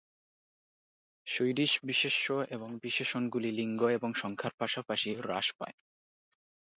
Swedish বিশেষ্য এবং বিশেষণগুলি লিঙ্গ এবং সংখ্যার পাশাপাশি হ্রাস পায়।